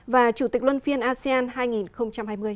và chủ tịch luân phiên asean hai nghìn hai mươi